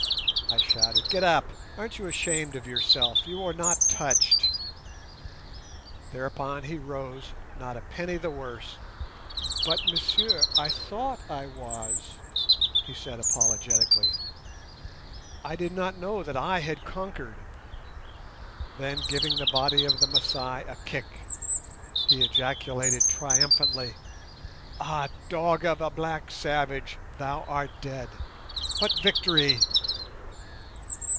I shouted, "Get up. Aren't you ashamed of yourself? You are not touched." Thereupon he rose, not a penny the worse. "But, monsieur, I thought I was," he said apologetically; "I did not know that I had conquered." Then, giving the body of the Masai a kick, he ejaculated triumphantly, "Ah, dog of a black savage, thou art dead; what victory!"